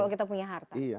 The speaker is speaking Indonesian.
kalau kita punya harta